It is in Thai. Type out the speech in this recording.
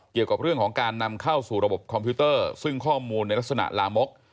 เกี่ยวกับเรื่องของการนำเข้าสู่ระบบคอมพิวเตอร์ซึ่งข้อมูลในลักษณะลามก